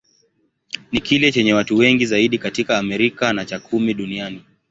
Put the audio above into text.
Ni kile chenye watu wengi zaidi katika Amerika, na cha kumi duniani.